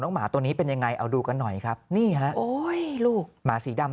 หมาตัวนี้เป็นยังไงเอาดูกันหน่อยครับนี่ฮะโอ้ยลูกหมาสีดำ